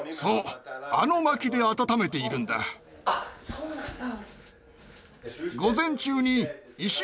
あっそうなんだ。